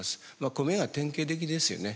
コメが典型的ですよね。